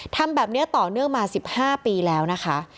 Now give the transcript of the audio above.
ทำแบบนี้ต่อเนื่องมา๑๕ปีแล้วนะคะ